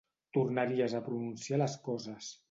Tornaries a pronunciar les coses.